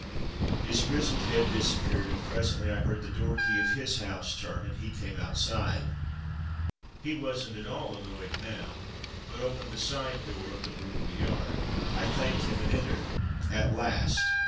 His grizzled head disappeared, and presently I heard the door key of his house turn and he came outside. He wasn't at all annoyed now, but opened the side door of the brew ery yard. I thanked him and entered. At last!